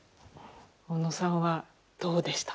小野さんはどうでしたか？